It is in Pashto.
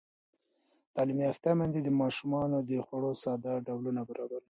تعلیم یافته میندې د ماشومانو د خوړو ساده ډولونه برابروي.